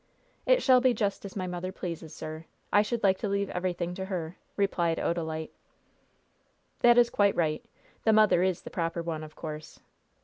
"It shall be just as my mother pleases, sir! I should like to leave everything to her," replied Odalite. "That is quite right. The mother is the proper one, of course.